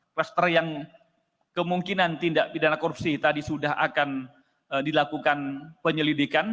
kluster yang kemungkinan tindak pidana korupsi tadi sudah akan dilakukan penyelidikan